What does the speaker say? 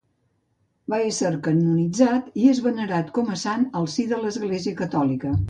Va ésser canonitzat i és venerat com a sant al si de l'Església catòlica.